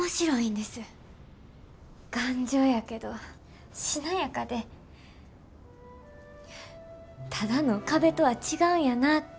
頑丈やけどしなやかでただの壁とは違うんやなって